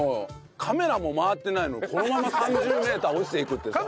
カメラも回ってないのにこのまま３０メーター落ちていくってさ。